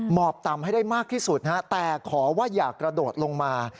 หมอบต่ำให้ได้มากที่สุดแต่ขอว่าอย่ากระโดดลงมา